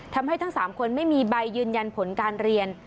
ทั้ง๓คนไม่มีใบยืนยันผลการเรียน